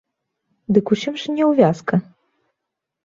Дык у чым жа няўвязка?